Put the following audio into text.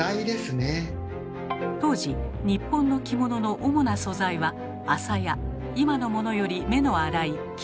当時日本の着物の主な素材は麻や今のものより目の粗い絹のつむぎでした。